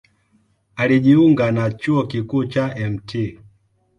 Alijiunga na Chuo Kikuu cha Mt.